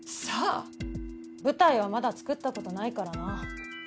舞台はまだ作ったことないからな。